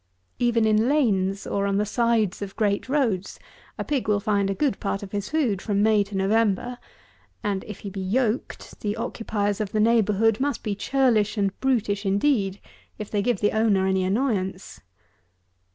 Even in lanes, or on the sides of great roads, a pig will find a good part of his food from May to November; and if he be yoked, the occupiers of the neighbourhood must be churlish and brutish indeed, if they give the owner any annoyance.